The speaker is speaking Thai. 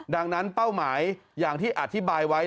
ดังนั้นเป้าหมายอย่างที่อธิบายไว้